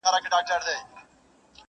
چي موږ ډېر یو تر شمېره تر حسابونو.!